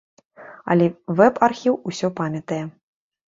Але вэб-архіў ўсё памятае.